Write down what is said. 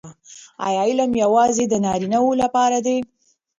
آیا علم یوازې د نارینه وو لپاره دی؟